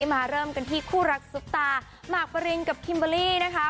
มาเริ่มกันที่คู่รักซุปตาหมากปรินกับคิมเบอร์รี่นะคะ